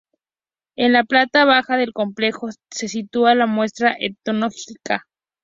En la planta baja del complejo se sitúa la muestra etnológica.